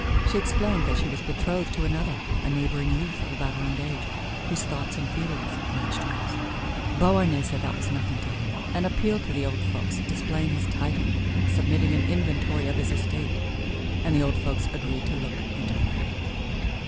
She explained that she was betrothed to another, a neighboring youth of about her own age, whose thoughts and feelings matched hers. Beauharnais said that was nothing to him, and appealed to the old folks, displaying his title, submitting an inventory of his estate; and the old folks agreed to look into the matter.